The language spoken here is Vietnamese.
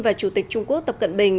và chủ tịch trung quốc tập cận bình